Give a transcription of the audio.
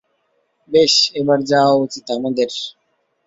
বেশ, এবার যাওয়া উচিত আমাদের।